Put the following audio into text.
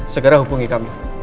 segera hubungi kami